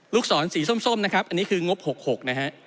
ศรสีส้มนะครับอันนี้คืองบ๖๖นะฮะ